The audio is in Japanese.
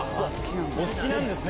お好きなんですね。